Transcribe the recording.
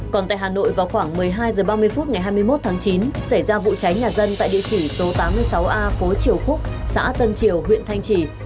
còn tại hà nội vào khoảng một mươi hai h ba mươi phút ngày hai mươi một tháng chín xảy ra vụ cháy nhà dân tại địa chỉ số tám mươi sáu a phố triều khúc xã tân triều huyện thanh trì